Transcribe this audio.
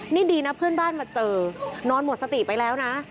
นี่ดีนะเพื่อนบ้านมาเจอนอนหมดสติไปแล้วนะ